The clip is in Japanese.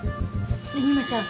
ねえ由真ちゃん